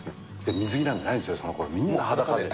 水着なんてないですよ、そのころ、みんな裸で。